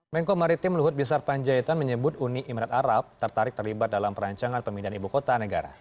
menko maritim luhut binsar panjaitan menyebut uni emirat arab tertarik terlibat dalam perancangan pemindahan ibu kota negara